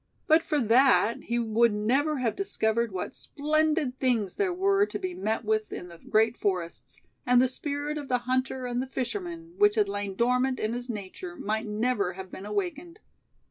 But for that he would never have discovered what splendid things there were to be met with in the great forests; and the spirit of the hunter and the fisherman, which had lain dormant in his nature, might never have been awakened.